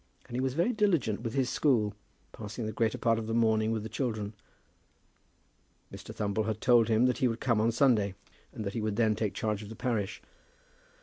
And he was very diligent with his school, passing the greater part of the morning with the children. Mr. Thumble had told him that he would come on Sunday, and that he would then take charge of the parish.